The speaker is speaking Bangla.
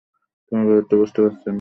তোমার ব্যাপারটা বুঝতে পারছি না!